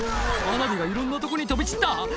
花火がいろんなとこに飛び散った」